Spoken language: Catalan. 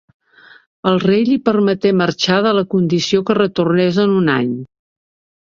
El rei li permeté marxar de la condició que retornés en un any.